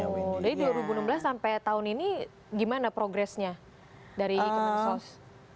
jadi dua ribu enam belas sampai tahun ini gimana progresnya dari kemensos